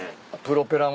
プロペラ